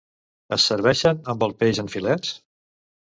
Es serveixen amb el peix en filets.